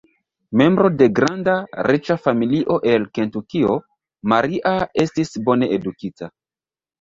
Membro de granda, riĉa familio el Kentukio, Maria estis bone edukita.